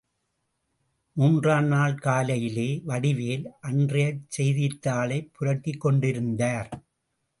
மூன்றாம் நாள் காலையிலே வடிவேல் அன்றையச் செய்தித்தாளைப் புரட்டிக்கொண்டிருந்தார்.